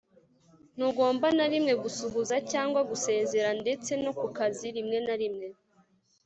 ntugomba na rimwe gusuhuza cyangwa gusezera ndetse no ku kazi rimwe na rimwe